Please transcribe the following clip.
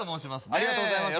ありがとうございます